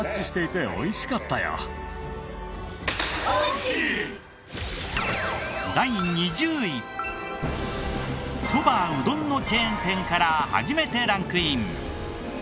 だからそば・うどんのチェーン店から初めてランクイン。